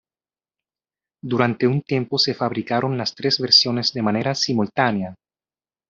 Durante un tiempo se fabricaron las tres versiones de manera simultánea.